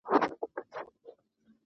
د سهار اوه بجي او یوه دقيقه